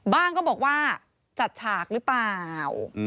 บ้างก็บอกว่าจัดฉากรึเปล่า